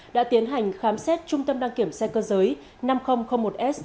đã tiến hành khám xét trung tâm đăng kiểm xe cơ giới năm nghìn một s